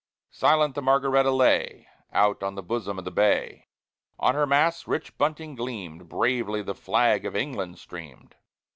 II Silent the Margaretta lay, Out on the bosom of the bay; On her masts rich bunting gleamed; Bravely the flag of England streamed.